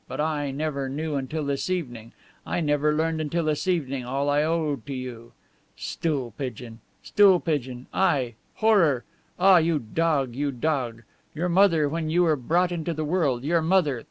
But I, I never knew until this evening; I never learned until this evening all I owe to you. 'Stool pigeon! Stool pigeon!' I! Horror! Ah, you dog, you dog! Your mother, when you were brought into the world, your mother..."